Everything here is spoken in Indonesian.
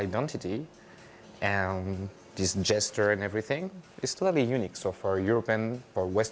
dan jika dia harus bekerja dari lima p m sampai sepuluh p m dia akan melakukannya